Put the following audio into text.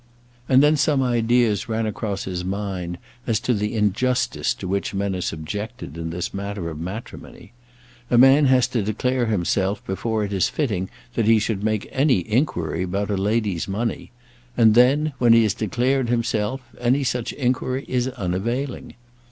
And then some ideas ran across his mind as to the injustice to which men are subjected in this matter of matrimony. A man has to declare himself before it is fitting that he should make any inquiry about a lady's money; and then, when he has declared himself, any such inquiry is unavailing.